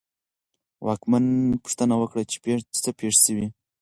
واکمن پوښتنه وکړه چې څه پېښ شوي.